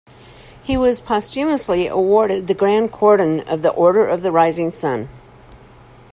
He was posthumously awarded the Grand Cordon of the Order of the Rising Sun.